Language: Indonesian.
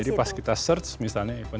jadi pas kita search misalnya